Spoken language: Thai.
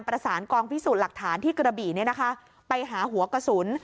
ประสานกองพิสูจน์หลักฐานที่กระบี่ไปหาหัวกระสุน